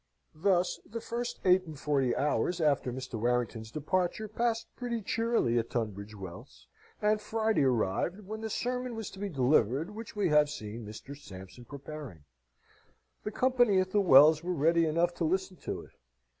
Thus the first eight and forty hours after Mr. Warrington's departure passed pretty cheerily at Tunbridge Wells, and Friday arrived, when the sermon was to be delivered which we have seen Mr. Sampson preparing. The company at the Wells were ready enough to listen to it.